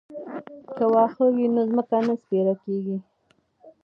که واښه وي نو ځمکه نه سپیره کیږي.